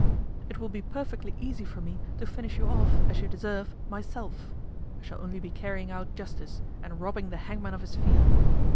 It will be perfectly easy for me to finish you off, as you deserve, myself. I shall only be carrying out justice, and robbing the hangman of his fee.